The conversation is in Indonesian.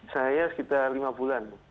saya sekitar lima bulan